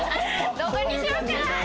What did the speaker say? どこにしようかな！